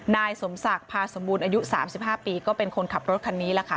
นายสมศักดิ์พาสมบูรณ์อายุ๓๕ปีก็เป็นคนขับรถคันนี้แหละค่ะ